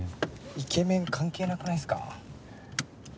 イケメン関係なくないっすか？